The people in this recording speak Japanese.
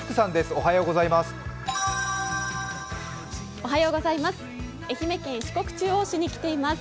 おはようございます。